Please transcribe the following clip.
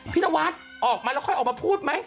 นวัดออกมาแล้วค่อยออกมาพูดไหม